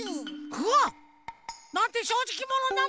うわっ！なんてしょうじきものなのでしょう！